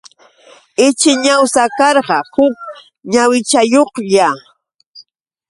Ichi ñawsa karqa huk ñawichayuqlla.